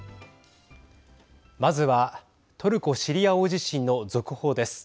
まずはトルコ・シリア大地震の続報です。